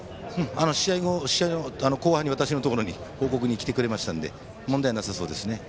試合の後半に私のところに来てくれたので問題はなさそうですね。